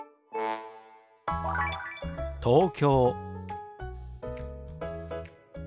「東京」。